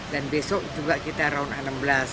dan besok juga kita round enam belas